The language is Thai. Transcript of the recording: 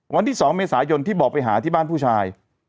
วันที่๒เมษายนที่บอกไปหาที่บ้านผู้ชาย